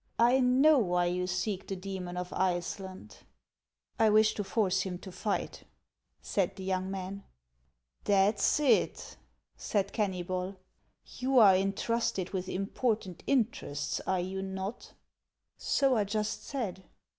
I know why you seek the demon of Iceland/' " I wish to force him to fight," said the young man. " That 's it," said Kennybol ;" you are intrusted with important interests, are you not ?"" So I just said."